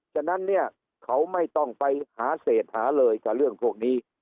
ฉะนั้นเนี่ยเขาไม่ต้องไปหาเศษหาเลยกับเรื่องพวกนี้